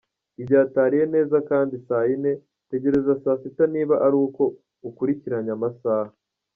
Igihe atariye neza kandi saa yine, tegereza saa sita niba ari uko ukurikiranya amasaha.